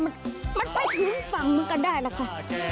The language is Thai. มันไปที่นี่ฝั่งเหมือนกันได้แหละค่ะ